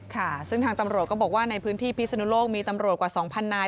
ค่ะซึ่งทางตำรวจก็บอกว่าในพื้นที่พิศนุโลกมีตำรวจกว่า๒๐๐นาย